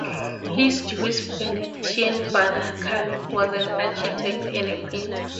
His Jewish Venetian father, Carlo, was an architect and a painter.